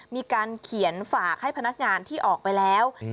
มีการเขียนฝากให้พนักงานที่ออกไปแล้ว